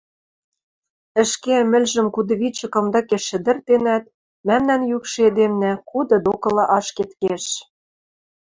Ӹшке ӹмӹлжӹм кудывичӹ кымдыкеш шӹдӹртенӓт, мӓмнӓн йӱкшӹ эдемнӓ куды докыла ашкед кеш.